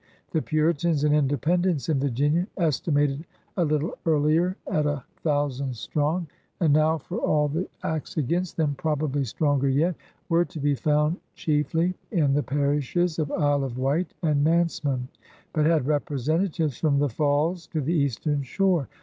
The Piuritans and Independents in Virginia — estimated a little earlier at sl thousand strong" and n6w, for all the ■■*'^^^^^—^ CHURCH AND KINGDOM 139 acts against them, probably stronger yet — were to be found chiefly in the parishes of Isle of Wight and Nansemond, but had representatives from the Falls to the Eastern Shore.